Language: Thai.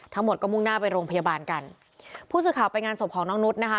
ทั้งหมดก็มุ่งหน้าไปโรงพยาบาลกันผู้สื่อข่าวไปงานศพของน้องนุษย์นะคะ